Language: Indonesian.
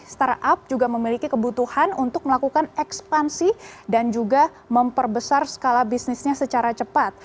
startup juga memiliki kebutuhan untuk melakukan ekspansi dan juga memperbesar skala bisnisnya secara cepat